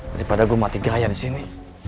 daripada gue mati gaya disini